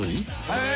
へえ。